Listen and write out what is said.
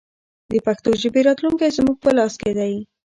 د پښتو ژبې راتلونکی زموږ په لاس کې دی.